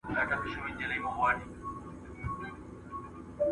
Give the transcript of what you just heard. زه هیڅکله په خپل مسلک کي د چا حق نه خورم.